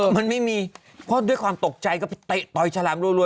มันไม่มีเพราะด้วยความตกใจก็ไปเตะต่อยฉลามรัว